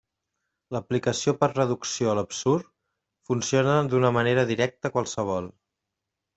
L'aplicació per reducció a l'absurd funciona d'una manera directa qualsevol.